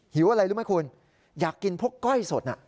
หิวอะไรรู้ไหมคุณอยากกินพวกก้อยสด